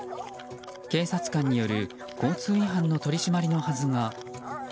警察官による交通違反の取り締まりのはずが。